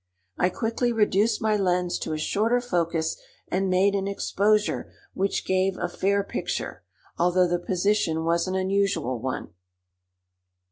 I quickly reduced my lens to a shorter focus and made an exposure which gave a fair picture, although the position was an unusual one.